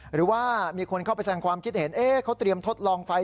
หรือว่ามีคนเข้าไปแสงความคิดเห็นเขาเตรียมทดลองไฟ